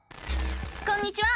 こんにちは！